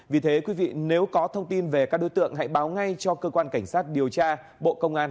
vì thế quý vị nếu có thông tin về các đối tượng hãy báo ngay cho cơ quan cảnh sát điều tra bộ công an